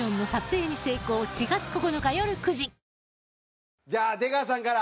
「碧Ａｏ」じゃあ出川さんから。